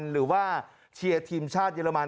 หรือว่าเชียร์ทีมชาติเยอรมัน